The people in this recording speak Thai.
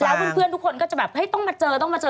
แล้วเพื่อนทุกคนก็จะแบบเฮ้ยต้องมาเจอต้องมาเจอ